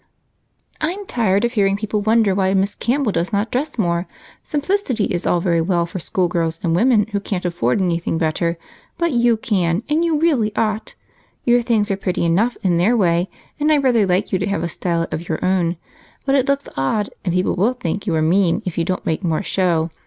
"I'm tired of hearing people wonder why Miss Campbell does not dress more. Simplicity is all very well for schoolgirls and women who can't afford anything better, but you can, and you really ought. Your things are pretty enough in their way, and I rather like you to have a style of your own, but it looks odd and people will think you are mean if you don't make more show.